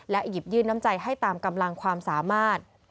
หยิบยื่นน้ำใจให้ตามกำลังความสามารถ